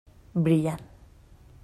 Brillant.